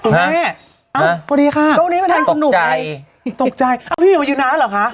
ห้ะฮะสวัสดีค่ะตกใจตกใจเอ้าพี่เมียวมายืนานแล้วเหรอคะ